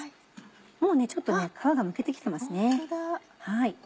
もうちょっと皮がむけて来てますね。